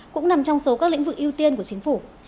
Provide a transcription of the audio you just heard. cũng nằm trong số các lĩnh vực ưu tiên của chính phủ